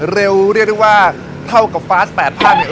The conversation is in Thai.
เร็วเรียกได้ว่าเท่ากับฟ้าแสดผ้าเนี่ย